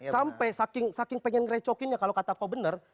sampai saking pengen ngerecokinnya kalau kata kau benar